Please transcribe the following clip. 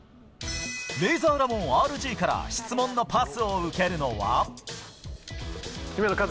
レイザーラモンＲＧから質問のパスを受けるのは。